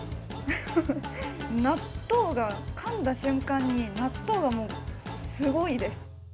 納豆がかんだ瞬間に納豆がすごいです。